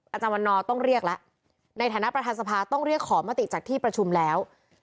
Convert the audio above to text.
อาจารย์วันนอร์ต้องเรียกแล้วในฐานะประธานสภาต้องเรียกขอมติจากที่ประชุมแล้ว